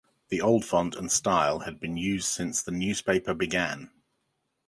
The old font and style had been used since the newspaper began.